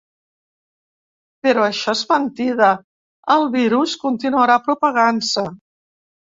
Però això és mentida, el virus continuarà propagant-se.